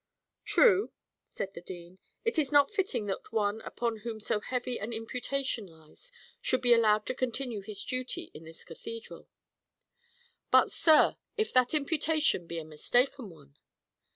"True," said the dean. "It is not fitting that one, upon whom so heavy an imputation lies, should be allowed to continue his duty in this Cathedral." "But, sir if that imputation be a mistaken one?"